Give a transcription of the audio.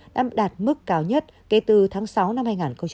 năm đạt mức cao nhất kể từ tháng sáu năm hai nghìn hai mươi